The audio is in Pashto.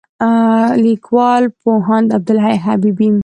لیکوال: پوهاند عبدالحی حبیبي